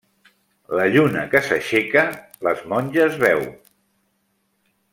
La lluna que s'aixeca, les monges veu.